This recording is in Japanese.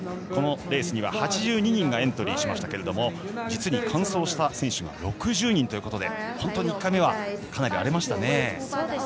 このレースには８２人がエントリーしましたが実に完走した選手が６０人ということで本当に１回目はかなり荒れました。